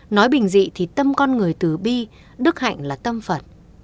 nói bình dị thì tâm con người tứ bi đức hạnh là tâm phật